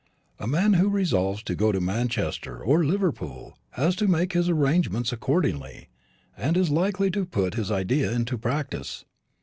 A man who resolves to go to Manchester or Liverpool has to make his arrangements accordingly, and is likely to put his idea into practice.